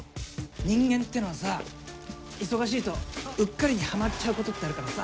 人間ってのはさ忙しいとうっかりにはまっちゃう事ってあるからさ。